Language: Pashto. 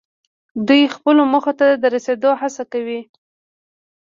دوی خپلو موخو ته د رسیدو هڅه کوي.